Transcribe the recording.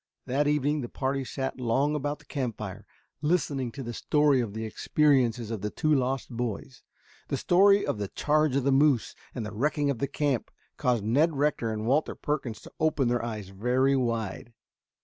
That evening the party sat long about the campfire, listening to the story of the experiences of the two lost boys. The story of the charge of the moose and the wrecking of the camp caused Ned Rector and Walter Perkins to open their eyes very wide.